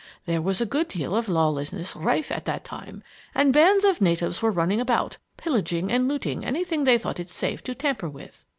There was a good deal of lawlessness rife at the time, and bands of natives were running about, pillaging and looting anything they thought it safe to tamper with.